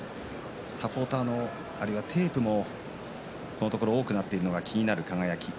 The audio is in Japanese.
サポーター、あるいはテープもこのところ多くなっているのが気になる輝。